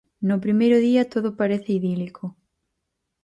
No primeiro día todo parece idílico.